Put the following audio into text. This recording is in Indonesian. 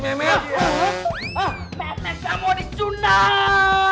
mehmet gak mau disunat